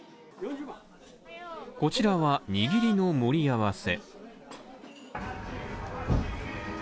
こちらは握りの盛り合わせ。